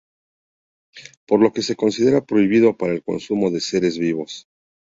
Por lo que se considera prohibido para el consumo de seres vivos.